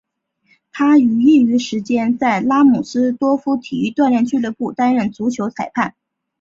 他于业余时间在拉姆斯多夫体育锻炼俱乐部担当足球裁判。